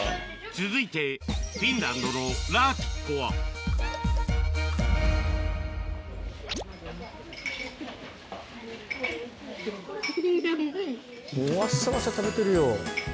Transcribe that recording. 続いてフィンランドのラーティッコはわっしゃわしゃ食べてるよ。